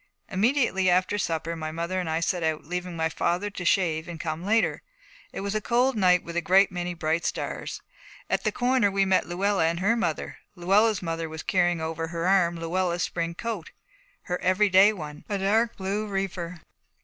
Immediately after supper my mother and I set out, leaving my father to shave and come later. It was a cold night with a great many bright stars. At the corner we met Luella and her mother. Luella's mother was carrying over her arm Luella's spring coat, her everyday one, a dark blue reefer.